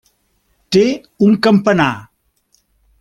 Té un campanar.